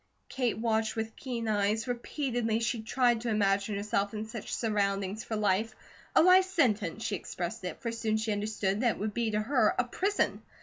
Kate watched with keen eyes. Repeatedly she tried to imagine herself in such surroundings for life, a life sentence, she expressed it, for soon she understood that it would be to her, a prison.